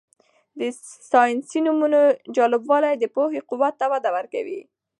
د ساینسي نومونو جالبوالی د پوهې قوت ته وده ورکوي.